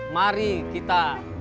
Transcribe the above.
mari kita bersama